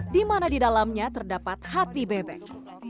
di mana di dalamnya terdapat hati bebek